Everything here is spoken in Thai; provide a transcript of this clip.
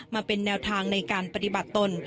มาเป็นแนวทางในการปฏิบัติตน